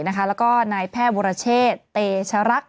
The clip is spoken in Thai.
แล้วก็นายแพทย์วรเชษเตชรัก